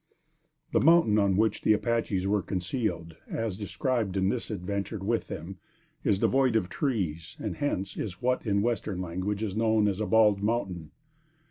The mountain on which the Apaches were concealed, as described in this adventure with them, is devoid of trees, and hence, is what, in western language is known as a "bald mountain."